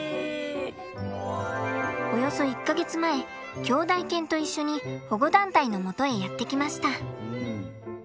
およそ１か月前兄弟犬と一緒に保護団体のもとへやって来ました。